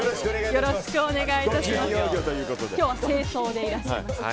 よろしくお願いします。